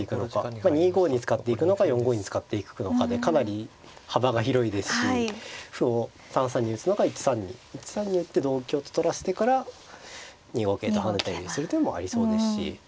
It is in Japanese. ２五に使っていくのか４五に使っていくのかでかなり幅が広いですし歩を３三に打つのか１三に１三に打って同香と取らせてから２五桂と跳ねたりする手もありそうですし。